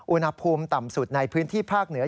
อุณหภูมิต่ำสุดในพื้นที่ภาคเหนือ